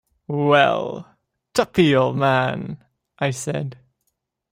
"Well, Tuppy, old man," I said.